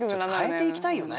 変えていきたいよね